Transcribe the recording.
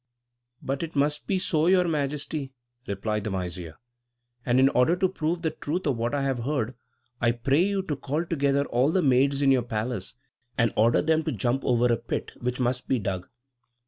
"But it must be so, Your Majesty," replied the vizier; "and in order to prove the truth of what I have heard, I pray you to call together all the maids in your palace, and order them to jump over a pit, which must be dug.